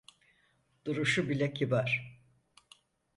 Duruşu bile kibar.